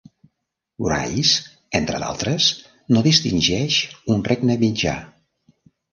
Bryce, entre d'altres, no distingeix un Regne Mitjà.